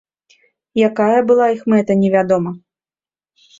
Якая была іх мэта, невядома.